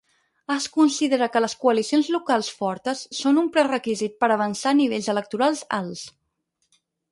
Es considera que les coalicions locals fortes són un prerrequisit per avançar a nivells electorals alts.